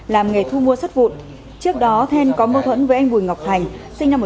làm nghề thu mua sắt vụn trước đó then có mâu thuẫn với anh vùi ngọc thành sinh năm một nghìn chín trăm bảy mươi chín